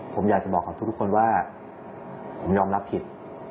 ผมอยากจะบอกกับทุกคนว่าผมยอมรับผิด